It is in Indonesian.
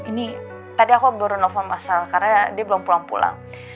ini tadi aku baru novel masalah karena dia belum pulang pulang